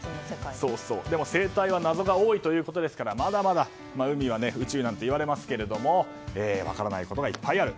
生態は謎が多いということですからまだまだ海は宇宙なんて言われますけども分からないことがいっぱいある。